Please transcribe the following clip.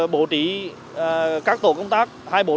bổ trí các tổ công tác